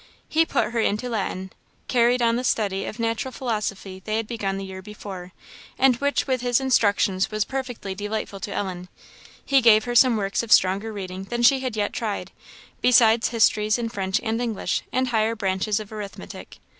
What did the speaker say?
He put her into Latin; carried on the study of natural philosophy they had begun the year before, and which with his instructions was perfectly delightful to Ellen; he gave her some works of stronger reading than she had yet tried, besides histories in French and English, and higher branches of arithmetic.